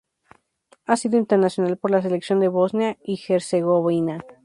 Ha sido internacional por la selección de Bosnia y Herzegovina.